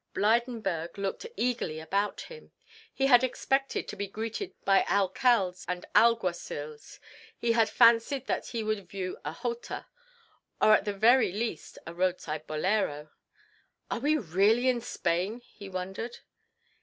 Blydenburg looked eagerly about him. He had expected to be greeted by alcaldes and alguacils, he had fancied that he would view a jota, or at the very least a roadside bolero. "Are we really in Spain?" he wondered.